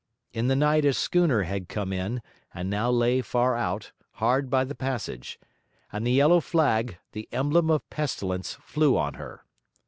In the night a schooner had come in, and now lay far out, hard by the passage; and the yellow flag, the emblem of pestilence, flew on her.